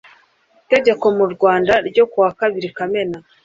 Itegeko mu Rwanda ryo kuwa kabiri Kamena